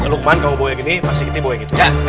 luqman kau bawa yang gini pak rikiti bawa yang gitu